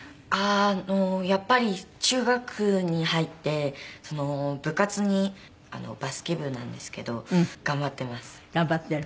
やっぱり中学に入って部活にバスケ部なんですけど。頑張っています。頑張っている。